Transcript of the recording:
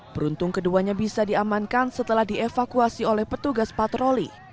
beruntung keduanya bisa diamankan setelah dievakuasi oleh petugas patroli